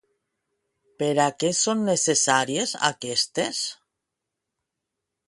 Per a què són necessàries aquestes?